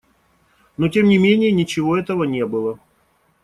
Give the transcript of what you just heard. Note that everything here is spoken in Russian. Но тем не менее ничего этого не было.